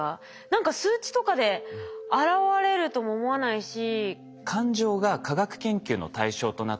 何か数値とかで表れるとも思わないし。